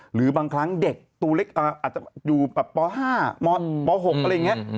หรือบางครั้งเด็กตัวเล็กอาจจะอยู่แบบป๕ป๖อะไรอย่างนี้